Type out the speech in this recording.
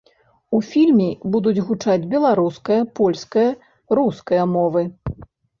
У фільме будуць гучаць беларуская, польская, руская мовы.